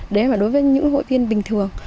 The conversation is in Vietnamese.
đấy là đối với những hội viên bình thường